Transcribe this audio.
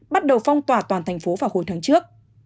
bắt đầu phong tỏa toàn thành phố vào hồi tháng trước